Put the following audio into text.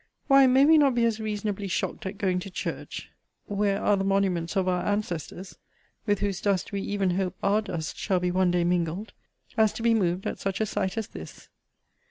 Why may we not be as reasonably shocked at going to church where are the monuments of our ancestors, with whose dust we even hope our dust shall be one day mingled, as to be moved at such a sight as this?